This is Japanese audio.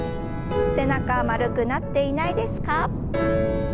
背中丸くなっていないですか？